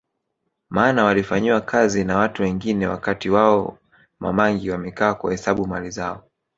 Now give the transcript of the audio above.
Maana walifanyiwa kazi na watu wengine wakati wao Ma mangi wamekaa kuhesabu mali zao